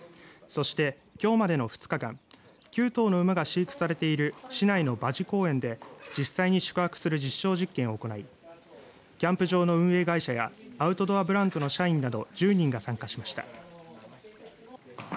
そして、きょうまでの２日間９頭の馬が飼育されている市内の馬事公苑で実際に宿泊する実証実験を行いキャンプ場の運営会社がアウトドアブランドの社員など１０人が参加しました。